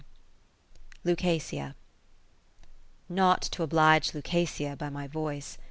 Lucasia Not to oblige Lucasia by my voice.